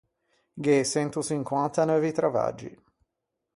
Gh’é çento çinquanta neuvi travaggi.